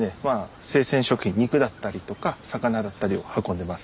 生鮮食品肉だったりとか魚だったりを運んでます。